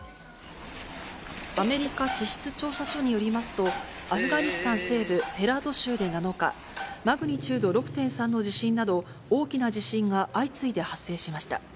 アメリカ地質調査所によりますと、アフガニスタン西部ヘラート州で７日、マグニチュード６．３の地震など、大きな地震が相次いで発生しました。